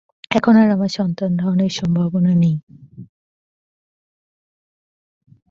এখন আর আমার সন্তান ধারণের সম্ভাবনা নেই।